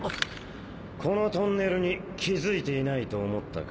このトンネルに気付いていないと思ったか？